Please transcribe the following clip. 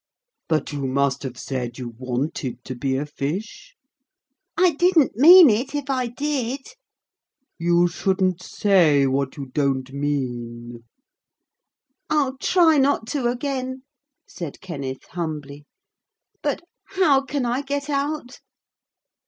'But you must have said you wanted to be a fish.' 'I didn't mean it, if I did.' 'You shouldn't say what you don't mean.' 'I'll try not to again,' said Kenneth humbly, 'but how can I get out?'